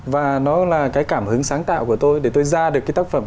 và nó là cái cảm hứng sáng tạo của tôi để tôi ra được cái tác phẩm